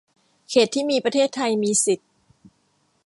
เขตที่ประเทศไทยมีสิทธิ